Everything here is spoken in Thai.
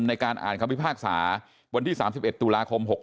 ในการอ่านคำพิพากษาวันที่๓๑ตุลาคม๖๖